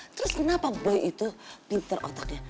terus kenapa buaya itu pinter otaknya